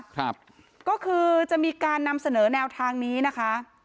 ครับก็คือจะมีการนำเสนอแนวทางนี้นะคะ